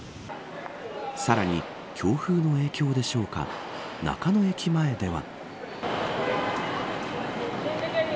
さらに強風の影響でしょうか中野駅前では。